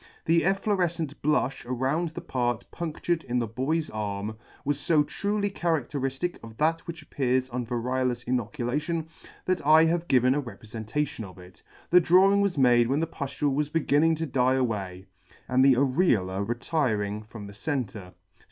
The efflorefcent blufh around the part punctured in the boy's arm was fo truly charadteriftic of that which appears on variolous inoculation, that I have given a reprefentation of it. The drawing was made when the puftule was beginning to die away, and the areola retiring from the centre.